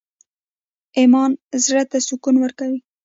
ایمان زړه ته سکون ورکوي؟